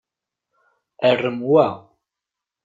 Arem wa.